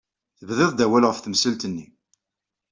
Tebdiḍ-d awal ɣef temsalt-nni.